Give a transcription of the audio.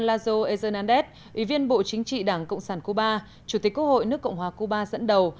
lazo ezonandez ủy viên bộ chính trị đảng cộng sản cuba chủ tịch quốc hội nước cộng hòa cuba dẫn đầu